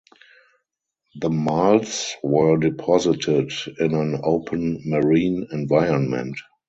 The marls were deposited in an open marine environment.